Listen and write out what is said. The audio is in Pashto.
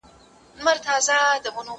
دا انځور له هغه ښکلی دی!؟